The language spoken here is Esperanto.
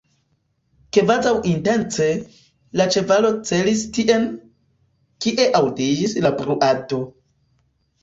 Kvazaŭ intence, la ĉevalo celis tien, kie aŭdiĝis la bruado.